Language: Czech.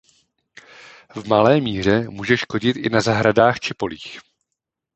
V malé míře může škodit i na zahradách či polích.